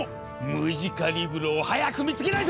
ムジカリブロを早く見つけないと！